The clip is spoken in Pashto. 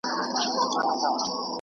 فرد باید د نوي ټکنالوژۍ سره آشنا سي.